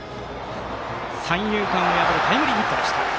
三遊間を破るタイムリーヒットでした。